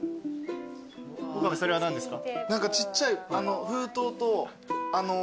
それは何ですか？